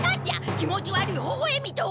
気持ち悪いほほえみとは！